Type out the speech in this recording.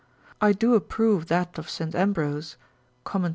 I do approve that of St. Ambrose (Comment.